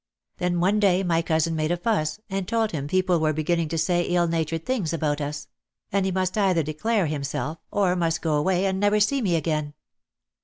Then one day my cousin made a fuss, and told him people were beginning to say ill DEAD LOVE HAS CILAINS. 4 1 natured things about us; and he must either declare himself, or must go away and never see me again.